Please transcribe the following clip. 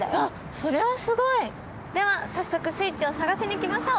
それはすごい！では早速スイッチを探しに行きましょう！